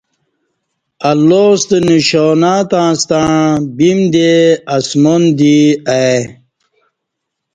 اللہ ستہ نݜانہ تݩع ستݩع بیم دے اسمان دی آئی